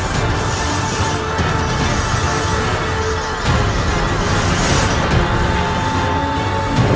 besok kita cari yang lebih empuk lagi